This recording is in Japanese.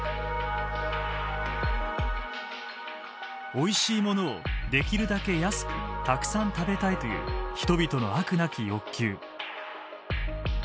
おいしいものをできるだけ安くたくさん食べたいという人々の飽くなき欲求。